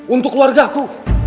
untuk keluarga aku